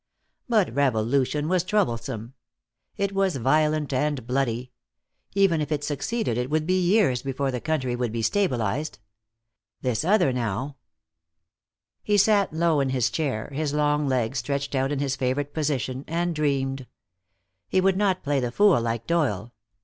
But revolution was troublesome. It was violent and bloody. Even if it succeeded it would be years before the country would be stabilized. This other, now He sat low in his chair, his long legs stretched out in his favorite position, and dreamed. He would not play the fool like Doyle.